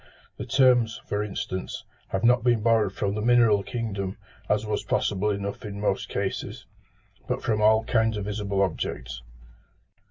The terms, for instance, have not been borrowed from the mineral kingdom, as was possible enough in most cases, but from all kinds of visible objects.